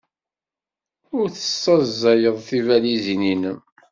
Ur tessaẓayeḍ tibalizin-nnem.